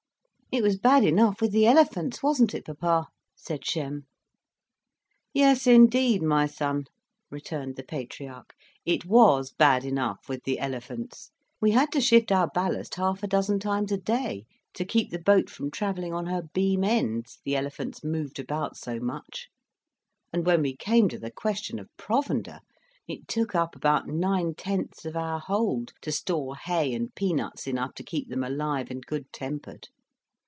"It was bad enough with the elephants, wasn't it, papa?" said Shem. "Yes, indeed, my son," returned the patriarch. "It was bad enough with the elephants. We had to shift our ballast half a dozen times a day to keep the boat from travelling on her beam ends, the elephants moved about so much; and when we came to the question of provender, it took up about nine tenths of our hold to store hay and peanuts enough to keep them alive and good tempered.